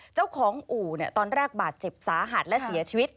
เจ้าของอู่ตอนแรกบาดเจ็บสาหัสและเสียชีวิต